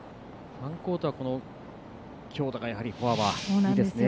ファンコートは強打フォアがいいですね。